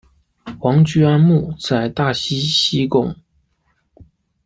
王居安墓在大溪西贡。